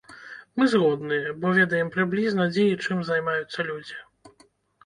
Мы згодныя, бо ведаем прыблізна, дзе і чым займаюцца людзі.